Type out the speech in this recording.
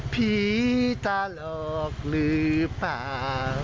ผีตาหลอกหรือเปล่า